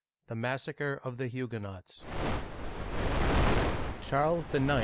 THE MASSACRE OF THE HUGUENOTS CHARLES IX.